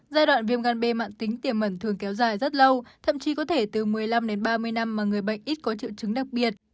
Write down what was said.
giai đoạn viêm gan b mạng tính tiềm mẩn thường kéo dài rất lâu thậm chí có thể từ một mươi năm đến ba mươi năm mà người bệnh ít có triệu chứng đặc biệt